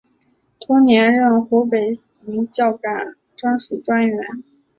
同年任湖北孝感专署专员。